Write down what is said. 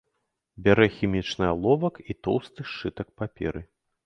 Бярэ хімічны аловак і тоўсты сшытак паперы.